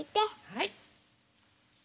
はい。